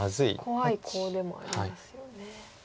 怖いコウでもありますよね。